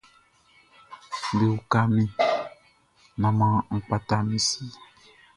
Bewuka mi, nan man kpata mi si.